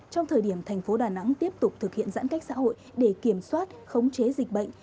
trong thời điểm thành phố đà nẵng tiếp tục thực hiện giãn cách xã hội để kiểm soát khống chế dịch bệnh